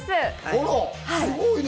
あら、すごいね。